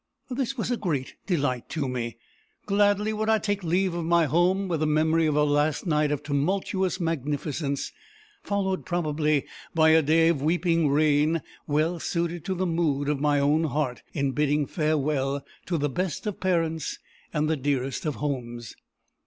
This was a great delight to me. Gladly would I take leave of my home with the memory of a last night of tumultuous magnificence; followed, probably, by a day of weeping rain, well suited to the mood of my own heart in bidding farewell to the best of parents and the dearest of homes.